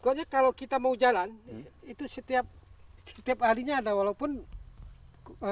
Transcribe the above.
kalau di itu kalau kita mau jalan itu setiap harinya ada walaupun polomonya tidak banyak